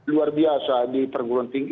luar biasa di perguruan tinggi